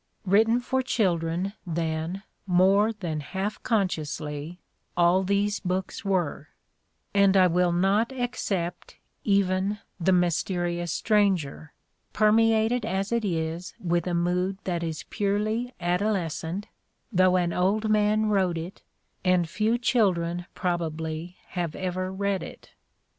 Written for children, then, more than half consciously, all these books were; and I will not except even "The Mysterious Stranger," permeated as it is with a mood that is purely adolescent, though an old man wrote it and few children probably have ever read it.